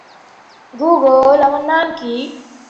Bra এর স্বাস্থ্যগত সমস্যা বলতে তেমন কিছু নেই।